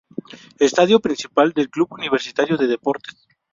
Estadio Principal del Club Universitario de Deportes.